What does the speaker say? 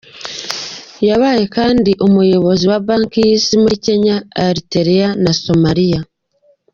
Yabaye kandi Umuyobozi wa Banki y’Isi muri Kenya, Eritrea na Somalia.